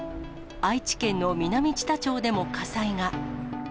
愛知県の南知多町でも火災が。